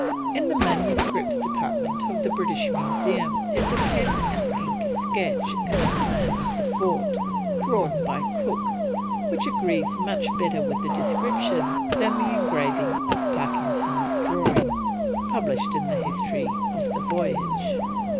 In the manuscripts department of the British Museum is a pen and ink sketch and plan of the fort, drawn by Cook, which agrees much better with the description than the engraving of Parkinson's drawing published in the History of the Voyage.